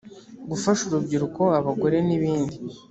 gufasha urubyiruko abagore n ibindi